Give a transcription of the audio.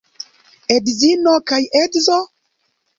Edzino kaj edzo?